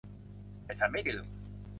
แต่ฉันไม่ดื่ม